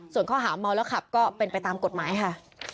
ส่วนข้อหาเมาแล้วขับก็เป็นไปตามกฎหมายค่ะ